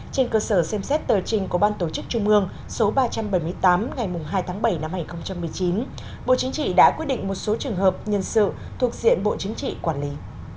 trên cơ sở xem xét tờ trình của ban tổ chức trung ương số ba trăm bảy mươi tám ngày hai tháng bảy năm hai nghìn một mươi chín bộ chính trị đã quyết định một số trường hợp nhân sự thuộc diện bộ chính trị quản lý